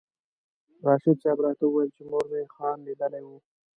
راشد صاحب راته وویل چې مور مې خان لیدلی و.